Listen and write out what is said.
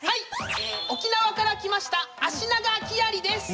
沖縄から来ましたアシナガキアリです！